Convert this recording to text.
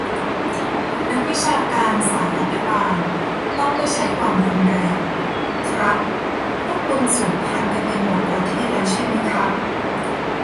นักวิชาการสาย "รัฐบาลต้องไม่ใช้ความรุนแรง" ครับ พวกมึงสูญพันธุ์กันไปหมดประเทศแล้วใช่มั้ยครับ ?